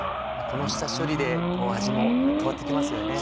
この下処理で味も変わって来ますよね。